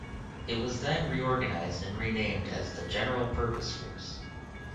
It was then reorganized and renamed as the General Purpose Force.